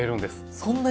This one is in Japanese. そんなに？